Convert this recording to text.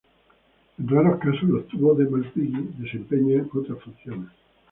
En raros casos los tubos de Malpighi desempeñan otras funciones.